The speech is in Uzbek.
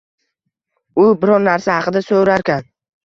U biror narsa haqida so‘rarkan